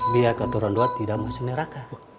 biar katoran dua tidak masuk neraka